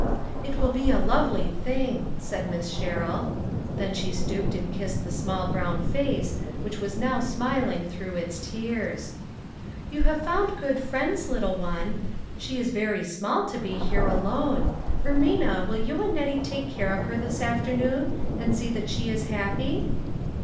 " It will be a lovely thing," said Miss Sherrill. Then she stooped and kissed the small brown face, which was now smiling through its tears. " You have found good friends, little one. She is very small to be here alone. Ermina, will you and Nettie take care of her this afternoon, and see that she is happy